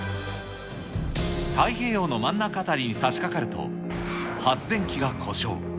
太平洋の真ん中辺りにさしかかると、発電機が故障。